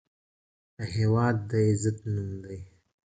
هېواد د عزت نوم دی.